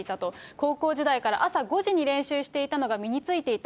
高校時代から朝５時に練習していたのが身についていた。